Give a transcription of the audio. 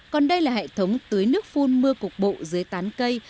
còn đây là hệ thống tưới nước phun mưa cục bộ dưới tán cây